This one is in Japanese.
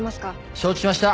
承知しました！